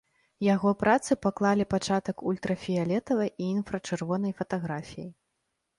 Яго працы паклалі пачатак ультрафіялетавай і інфрачырвонай фатаграфіі.